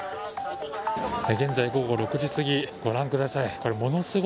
現在午後６時すぎご覧ください。